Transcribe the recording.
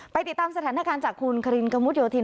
ติดตามสถานการณ์จากคุณครินกระมุดโยธิน